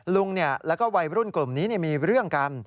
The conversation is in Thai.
ลุงเนี่ยแล้วก็วัยรุ่นกลุ่มนี้เนี่ยมีเรื่องกัน